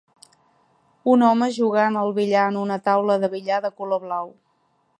Un home jugant al billar en una taula de billar de color blau.